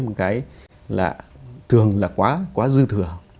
một cái là thường là quá dư thừa